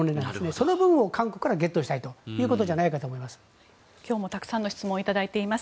その分を韓国からゲットしたいということじゃないかと思います。